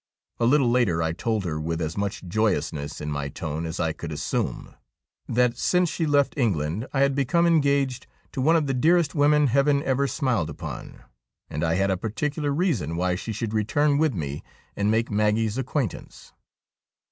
A little later I told her with as much joyousness in my tone as I could assume, that since she left England I had become engaged to one of the dearest women heaven ever smiled upon, and I had a particular reason why she should return with me and make Maggie's acquaintance.